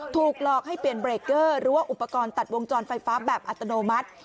ถูกหลอกให้เปลี่ยนเบรกเกอร์หรือว่าอุปกรณ์ตัดวงจรไฟฟ้าแบบอัตโนมัติ